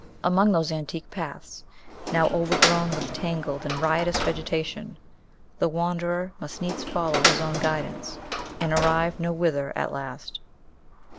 Among those antique paths, now overgrown with tangled and riotous vegetation, the wanderer must needs follow his own guidance, and arrive nowhither at last.